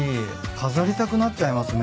飾りたくなっちゃいますね。